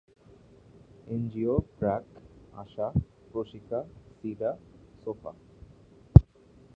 NGO BRAC, ASA, Proshika, Sida, sofa.